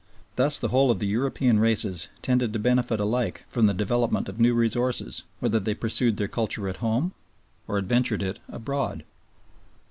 Thus the whole of the European races tended to benefit alike from the development of new resources whether they pursued their culture at home or adventured it abroad.